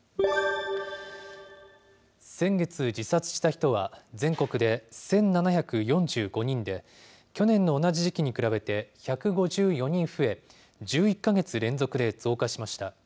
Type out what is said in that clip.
先月、自殺した人は、全国で１７４５人で、去年の同じ時期に比べて１５４人増え、１１か月連続で増加しました。